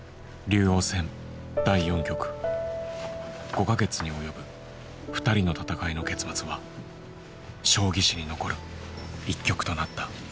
５か月に及ぶ２人の戦いの結末は将棋史に残る一局となった。